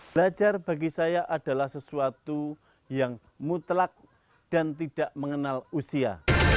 belajar bagi saya adalah sesuatu yang mutlak dan tidak mengenal usia